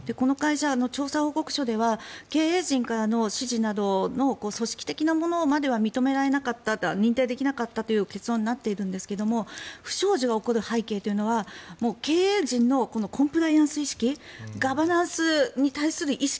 調査報告書では、経営陣からの指示など組織的なものまでは認められなかった認定できなかったという結論になっているんですが不祥事が起こる背景には経営陣のコンプライアンス意識ガバナンスに対する意識